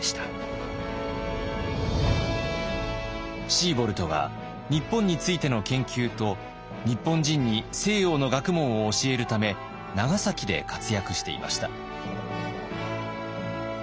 シーボルトは日本についての研究と日本人に西洋の学問を教えるため長崎で活躍していました。